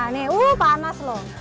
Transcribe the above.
nih wuh panas loh